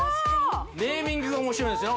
ネーミングが面白いんですよね